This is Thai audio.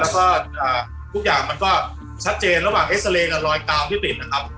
แล้วก็ทุกอย่างมันก็ชัดเจนระหว่างเอ็กซาเรย์กับรอยกาวที่ปิดนะครับ